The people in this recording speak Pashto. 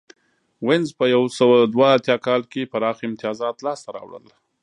وینز په یو سوه دوه اتیا کال کې پراخ امتیازات لاسته راوړل